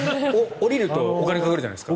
降りるとお金がかかるじゃないですか。